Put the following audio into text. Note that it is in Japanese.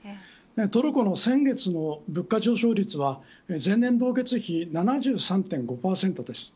トルコの先月の物価上昇率は前年同月比７３．５％です。